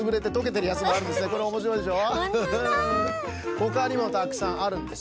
ほかにもたくさんあるんです。